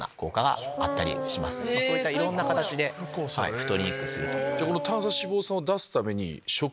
そういったいろんな形で太りにくくする。